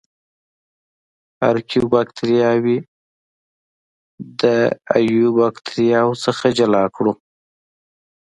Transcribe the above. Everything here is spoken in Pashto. ارکیو باکتریاوې د ایو باکتریاوو څخه جلا کړو.